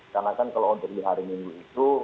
karena kan kalau untuk di hari minggu itu